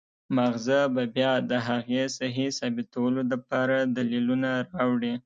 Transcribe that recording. مازغه به بيا د هغې سهي ثابتولو د پاره دليلونه راوړي